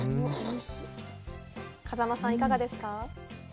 風間さん、いかがですか。